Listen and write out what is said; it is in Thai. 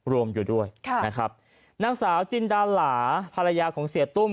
รวมอยู่ด้วยค่ะนะครับนางสาวจินดาหลาภรรยาของเสียตุ้ม